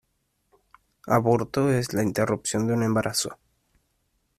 Aborto es la interrupción de un embarazo.